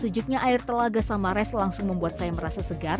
sejuknya air telaga samares langsung membuat saya merasa segar